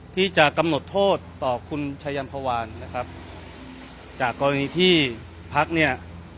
ที่จะกำหนดโทษต่อคุณชายัมภาวานนะครับจากกรณีที่พักเนี่ย